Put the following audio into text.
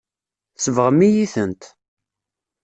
Tsebɣem-iyi-tent.